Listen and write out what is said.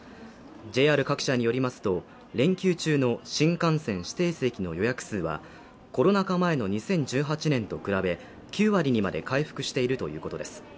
ＪＲ各社によりますと、連休中の新幹線指定席の予約数はコロナ禍前の２０１８年と比べ、９割にまで回復しているということです。